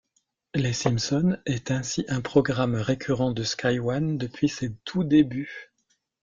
Les Simpson est ainsi un programme récurrent de Sky One depuis ses tout débuts.